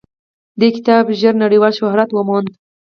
دې کتاب ژر نړیوال شهرت وموند.